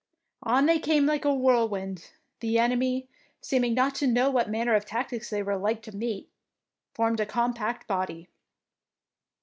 On they came like a whirlwind ; the enemy, seeming not to know what manner of tactics they were like to meet, formed a compact body.